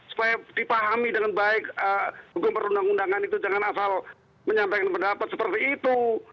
supaya dipahami dengan baik ruu itu jangan asal menyampaikan pendapat seperti itu